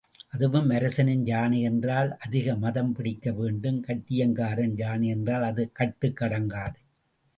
அதுவும் அரசனின் யானை என்றால் அதிக மதம் பிடிக்க வேண்டும் கட்டியங்காரன் யானை என்றால் அது கட்டுக்கு அடங்காது.